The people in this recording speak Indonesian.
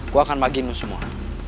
gua akan bagiin lu semua